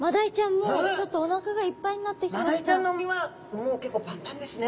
もうちょっとマダイちゃんの胃はもう結構パンパンですね。